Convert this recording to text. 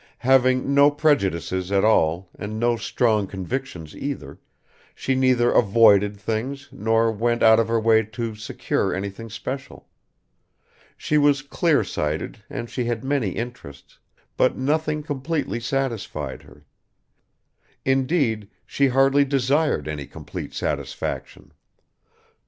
Having no prejudices at all, and no strong convictions either, she neither avoided things nor went out of her way to secure anything special. She was clear sighted and she had many interests, but nothing completely satisfied her; indeed, she hardly desired any complete satisfaction.